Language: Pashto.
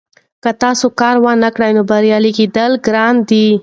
که تاسو کار ونکړئ نو بریالي کیدل ګران دي.